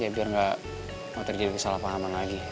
ya biar gak terjadi kesalahpahaman lagi